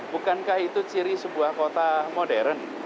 bukankah itu ciri sebuah kota modern